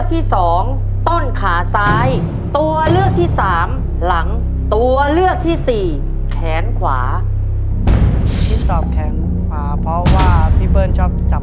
ที่สอบแขนขวาเพราะว่าพี่เบิ้ลชอบจับ